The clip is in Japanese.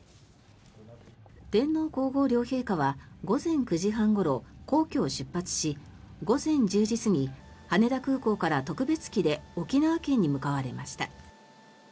天皇・皇后両陛下は午前９時半ごろ、皇居を出発し午前１０時過ぎ羽田空港から特別機で沖縄県に向かわれました。